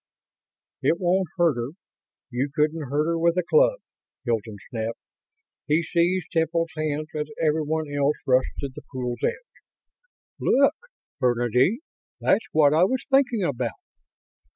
"It won't hurt her you couldn't hurt her with a club!" Hilton snapped. He seized Temple's hand as everyone else rushed to the pool's edge. "Look Bernadine that's what I was thinking about."